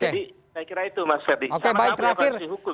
saya kira itu mas ferdi oke baik terakhir